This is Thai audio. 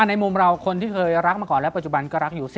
ในมุมเราคนที่เคยรักมาก่อนและปัจจุบันก็รักอยู่